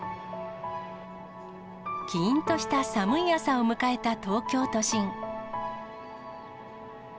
キーンとした寒い朝を迎えた東京都心。